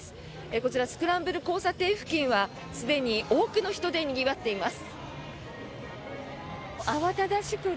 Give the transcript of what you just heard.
こちらスクランブル交差点付近はすでに多くの人でにぎわっています。